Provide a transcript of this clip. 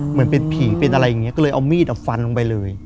เหมือนเป็นผีเป็นอะไรอย่างนี้ก็เลยเอามีดฟันลงไปเลย